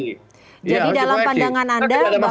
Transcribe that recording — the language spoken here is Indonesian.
jadi dalam pandangan anda